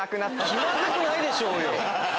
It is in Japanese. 気まずくないでしょうよ！